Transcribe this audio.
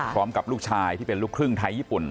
พร้อมกับลูกชายที่เป็นลูกครึ่งไทยญี่ปุ่น